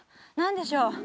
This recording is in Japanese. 何でしょう？